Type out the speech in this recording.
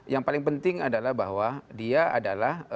yang paling penting adalah bahwa dia adalah